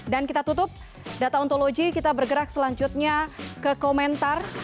dan kita tutup data ontologi kita bergerak selanjutnya ke komentar